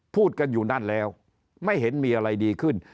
พูดกันอยู่นั่นแล้วไม่เห็นมีอะไรดีขึ้น